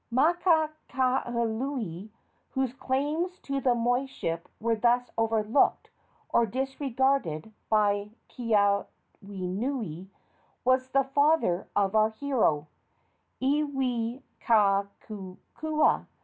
Makakaualii, whose claims to the moiship were thus overlooked or disregarded by Keawenui, was the father of our hero, Iwikauikaua.